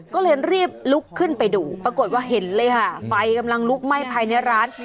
ก็เลยรีบลุกขึ้นไปดูปรากฏว่าเห็นเลยค่ะไฟกำลังลุกไหม้ภายในร้าน